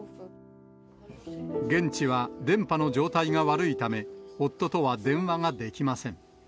現地は電波の状態が悪いため、夫とは電話はできません。